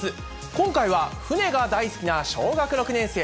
今回は船が大好きな小学６年生。